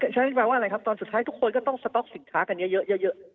ใช่แปลว่าอะไรครับตอนสุดท้ายทุกคนก็ต้องสต๊อกสินค้ากันเยอะ